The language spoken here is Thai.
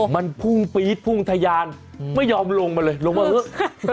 มันพุ่งปี๊ดพุ่งทะยานไม่ยอมลงมาเลยลงมาเถอะ